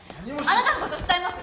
あなたのこと訴えます。